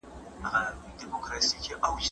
دیني علم د ناپوهۍ د هر ډول تیارو لپاره مشعل دی.